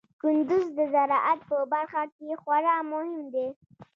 کندز د زراعت په برخه کې خورا مهم دی.